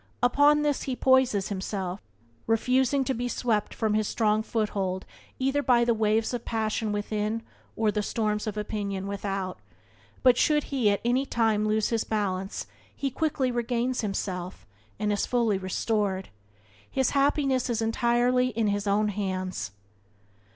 Upon this he poises himself, refusing to be swept from his strong foothold either by the waves of passion within or the storms of opinion without, but should he at any time lose his balance he quickly regains himself, and is fully restored. His happiness is entirely in his own hands.